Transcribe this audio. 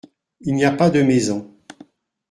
Il n’y a pas de maisons.